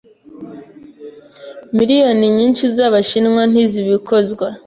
Miliyoni nyinshi z'Abashinwa ntizibikozwa